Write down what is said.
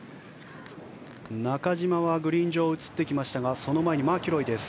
中島、グリーン上に映ってきましたがその前にマキロイです。